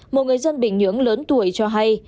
một người dân bình nhưỡng lớn tuổi cho hay